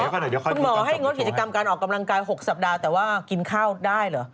คุณหมอให้งดกิจกรรมการออกกำลังกาย๖สัปดาห์แต่ว่ากินข้าวได้เหรอ